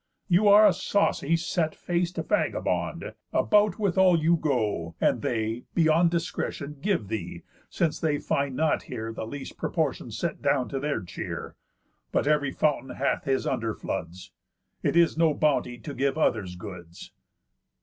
You are a saucy set fac'd vagabond. About with all you go, and they, beyond Discretion, give thee, since they find not here The least proportion set down to their cheer. But ev'ry fountain hath his under floods. _It is no bounty to give others' goods."